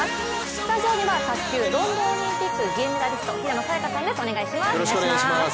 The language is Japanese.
スタジオには卓球ロンドンオリンピック銀メダリスト、平野早矢香さんです、お願いします。